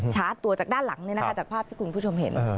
ฉาดตัวจากด้านหลังเนี่ยนะคะจากภาพที่คุณผู้ชมเห็น